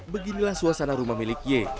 beginilah suasana rumah milik ye